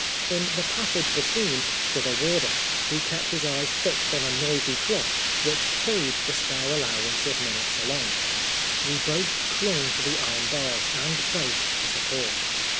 In the passage between stood a warder, who kept his eyes fixed on a noisy clock which hurried the spare allowance of minutes along. We both clung to the iron bars, and both for support.